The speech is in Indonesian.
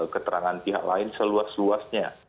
keterangan pihak lain seluas luasnya